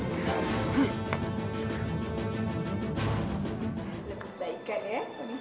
lebih baik ya kondisinya ya